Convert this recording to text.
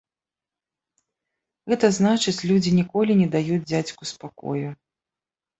Гэта значыць, людзі ніколі не даюць дзядзьку спакою.